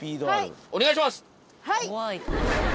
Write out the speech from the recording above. お願いします！